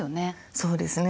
そうですね。